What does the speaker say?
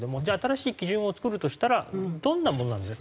じゃあ新しい基準を作るとしたらどんなもの？